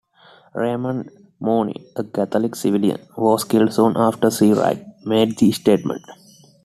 Raymond Mooney, a Catholic civilian, was killed soon after Seawright made the statement.